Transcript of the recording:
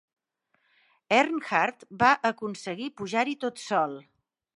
Earnhardt va aconseguir pujar-hi tot sol.